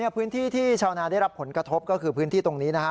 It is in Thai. พื้นที่ที่ชาวนาได้รับผลกระทบก็คือพื้นที่ตรงนี้นะฮะ